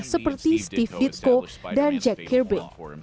seperti steve ditko dan jack kirby